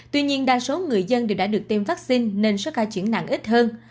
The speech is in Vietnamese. tuy nhiên đa số người dân đều đã được tiêm vaccine nên số ca chuyển nặng ít hơn